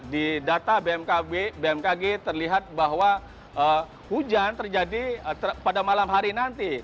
di data bmkg terlihat bahwa hujan terjadi pada malam hari nanti